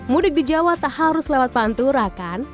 mudik di jawa tak harus lewat pantura kan